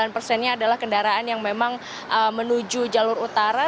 sembilan persennya adalah kendaraan yang memang menuju jalur utara